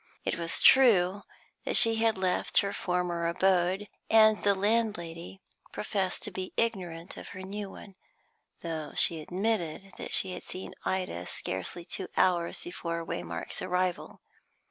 It was true that she had left her former abode, and the landlady professed to be ignorant of her new one, though she admitted that she had seen Ida scarcely two hours before Waymark's arrival.